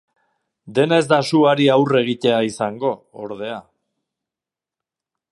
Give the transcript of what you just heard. Dena ez da suari aurre egitea izango, ordea.